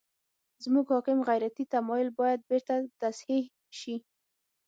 زموږ حاکم غیرتي تمایل باید بېرته تصحیح شي.